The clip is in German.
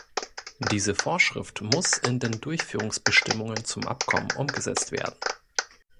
Diese Vorschrift muss in den Durchführungsbestimmungen zum Abkommen umgesetzt werden.